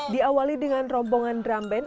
diawali dengan rombongan drum band